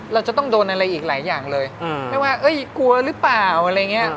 เราจะต้องโดนอะไรอีกหลายอย่างเลยไม่ว่ากลัวหรือเปล่าอะไรอย่างนี้